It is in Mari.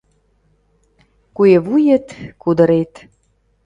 Куэ вует — кудырет